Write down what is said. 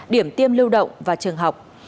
điểm tiêm lưu động và trường học